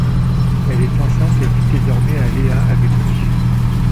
Elle est enceinte et vit désormais à Leah avec lui.